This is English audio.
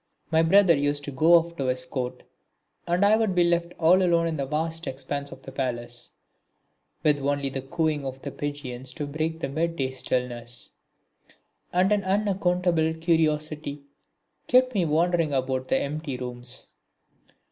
My brother used to go off to his court, and I would be left all alone in the vast expanse of the palace, with only the cooing of the pigeons to break the midday stillness; and an unaccountable curiosity kept me wandering about the empty rooms.